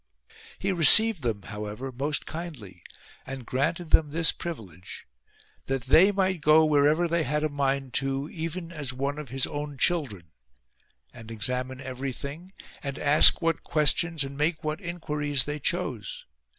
He received them however most kindly, and granted them this privilege — that they might go wherever they had a mind to, even as one of his own children, and examine everything and ask what questions and make what inquiries they chose.